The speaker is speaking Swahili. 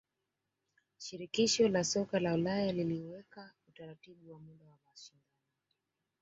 shirikisho la soka la ulaya liliaweka utaratibu wa muda wa mashindano